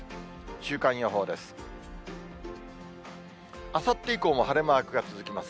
週間予報です。